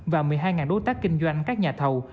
và một mươi hai đối tác kinh doanh các nhà thầu